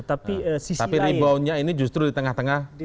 tapi reboundnya ini justru di tengah tengah persiwa hukum